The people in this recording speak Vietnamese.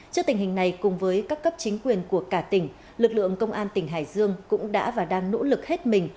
trước tình hình này cùng với các cấp chính quyền của cả tỉnh lực lượng công an tỉnh hải dương cũng đã và đang nỗ lực hết mình